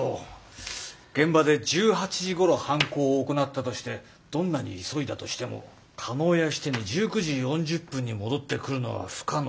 現場で１８時ごろ犯行を行ったとしてどんなに急いだとしても叶谷支店に１９時４０分に戻ってくるのは不可能。